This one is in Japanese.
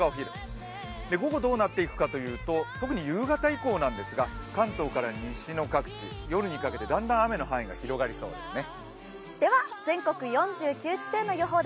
午後どうなっていくかというと特に夕方以降なんですが、関東から西の各地、夜にかけてだんだん雨の範囲が広がりなりそうですね。